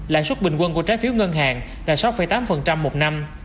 lãi suất bình quân của trái phiếu ngân hàng là sáu tám một năm